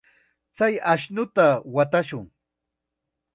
Chay ashnuta watashun.